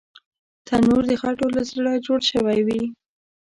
تنور د خټو له زړه جوړ شوی وي